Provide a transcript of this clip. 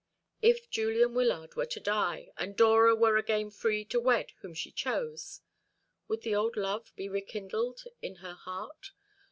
If Julian Wyllard were to die, and Dora were again free to wed whom she chose? Would the old love be rekindled in her heart?